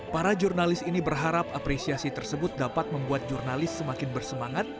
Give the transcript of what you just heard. para jurnalis ini berharap apresiasi tersebut dapat membuat jurnalis semakin bersemangat